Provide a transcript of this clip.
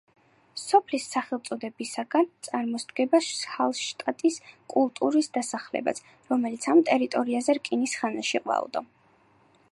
სოფლის სახელწოდებისაგან წარმოსდგება ჰალშტატის კულტურის დასახელებაც, რომელიც ამ ტერიტორიაზე რკინის ხანაში ყვაოდა.